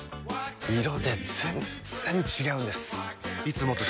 色で全然違うんです！